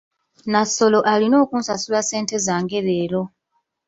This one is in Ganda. Nnassolo alina onkusasula ssente zange leero.